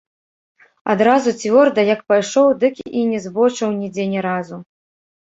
Адразу цвёрда як пайшоў, дык і не збочыў нідзе ні разу.